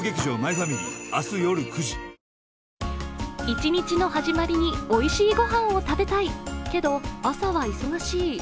一日の始まりにおいしい御飯を食べたい、けど、朝は忙しい。